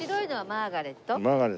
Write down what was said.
マーガレット？